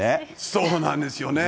そうなんですよね。